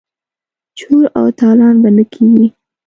چور او تالان به نه کیږي.